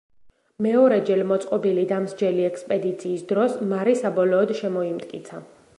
მეორეჯერ მოწყობილი დამსჯელი ექსპედიციის დროს მარი საბოლოოდ შემოიმტკიცა.